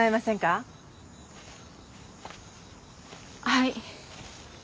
はい。